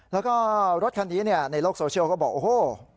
แล้วก็รถคันนี้ในโลกโซเชียลก็บอกโอ้โห